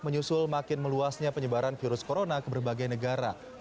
menyusul makin meluasnya penyebaran virus corona ke berbagai negara